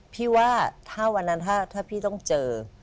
พี่ว่าถ้าวันนั้นถ้าพี่ต้องเจอ